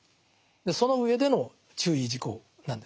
その上での注意事項なんですね。